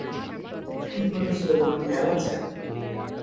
কী ঘটেছিল তোমার খেয়াল আছে?